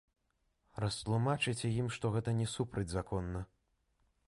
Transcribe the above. Растлумачыце ім, што гэта не супрацьзаконна.